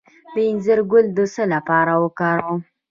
د انځر ګل د څه لپاره وکاروم؟